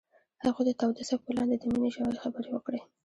هغوی د تاوده څپو لاندې د مینې ژورې خبرې وکړې.